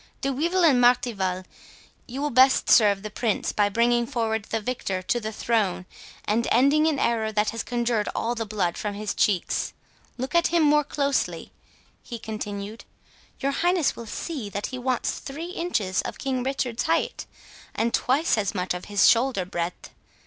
—De Wyvil and Martival, you will best serve the Prince by bringing forward the victor to the throne, and ending an error that has conjured all the blood from his cheeks.—Look at him more closely," he continued, "your highness will see that he wants three inches of King Richard's height, and twice as much of his shoulder breadth.